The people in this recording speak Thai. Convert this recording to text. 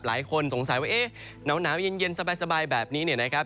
หลายคนสงสัยว่าเอ๊ะหนาวเย็นสบายแบบนี้เนี่ยนะครับ